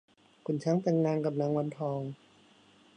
ขุนช้างแต่งงานกับนางวันทอง